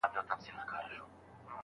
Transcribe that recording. زما شهپرونه خدای قفس ته پیدا کړي نه دي